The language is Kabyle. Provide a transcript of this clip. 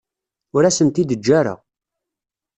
Ur asen-t-id-teǧǧa ara.